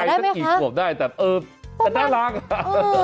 ไม่แน่ใจจะกี่ขวบได้แต่ได้รักค่ะ